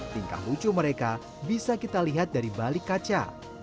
tingkah lucu mereka bisa kita lihat dari balik kaca